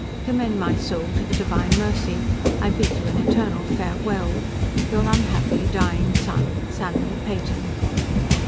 Commend my soul to the Divine mercy. I bid you an eternal farewell. "Your unhappy dying Son, "SAMUEL PEYTON."